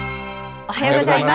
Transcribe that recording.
おはようございます。